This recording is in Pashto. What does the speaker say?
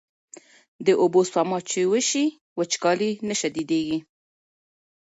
د اوبو سپما چې وشي، وچکالي نه شدېږي.